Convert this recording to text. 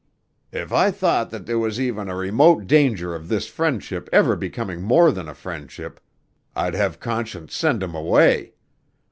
"If I thought that there was even a remote danger of this friendship ever becoming more than a friendship, I'd have Conscience send him away.